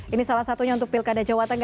ini salah satunya untuk pilkada jawa tengah